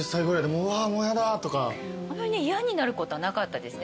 あんまりね嫌になることはなかったですね。